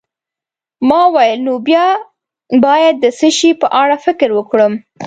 ما وویل: نو بیا باید د څه شي په اړه فکر وکړم؟